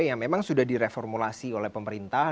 yang memang sudah direformulasi oleh pemerintah